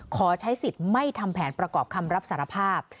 ขอใช้สิทธิ์ไม่ทำแผนประกอบคำรับสารภาพ